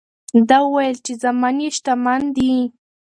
ده وویل چې زامن یې شتمن دي.